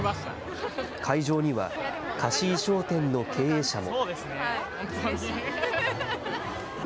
会場には貸衣装店の経営者も。